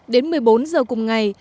đến một mươi bốn h cùng ngày